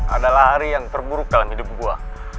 adalah hari yang terburuk dalam hidup gua